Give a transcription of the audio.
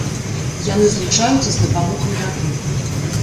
Яны злучаюцца з дапамогай вады.